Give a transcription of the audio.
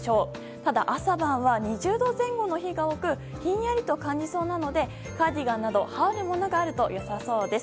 ただ、朝晩は２０度前後の日が多くひんやりと感じそうなのでカーディガンなど羽織るものがあると良さそうです。